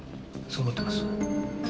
そう思ってます。